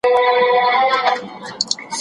چي زه ویښ وم که ویده وم